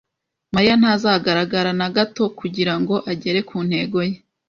Mariya ntazahagarara na gato kugirango agere ku ntego ye.